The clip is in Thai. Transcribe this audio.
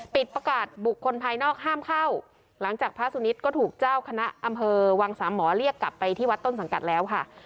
ประกาศบุคคลภายนอกห้ามเข้าหลังจากพระสุนิทก็ถูกเจ้าคณะอำเภอวังสามหมอเรียกกลับไปที่วัดต้นสังกัดแล้วค่ะ